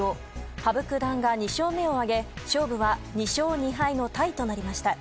羽生九段が２勝目を挙げ、勝負は２勝２敗のタイとなりました。